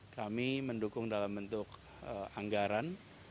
kami mendukung dalam bentuk anggaran